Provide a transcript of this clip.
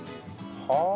はあ。